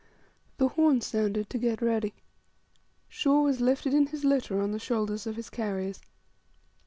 The horn sounded to get ready. Shaw was lifted in his litter on the shoulders of his carriers.